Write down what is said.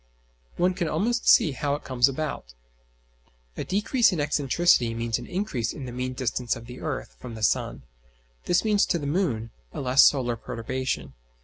One can almost see how it comes about. A decrease in excentricity means an increase in mean distance of the earth from the sun. This means to the moon a less solar perturbation.